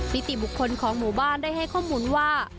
นิติบุคคลของหมู่บ้านได้ให้ข้อมูลว่า